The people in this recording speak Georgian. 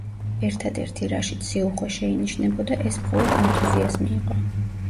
ერთადერთი რაშიც სიუხვე შეინიშნებოდა ეს მხოლოდ ენთუზიაზმი იყო.